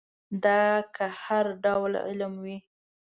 دا که هر ډول علم وي.